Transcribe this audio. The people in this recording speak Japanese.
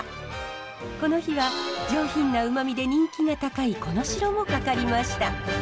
この日は上品な旨味で人気が高いコノシロもかかりました。